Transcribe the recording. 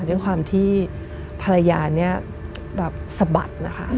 ด้วยความที่ภรรยาเนี่ยแบบสะบัดนะคะ